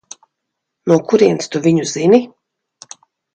No kurienes tu viņu zini?